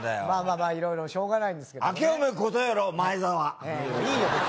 まあまあまあいろいろしようがないんですけどね。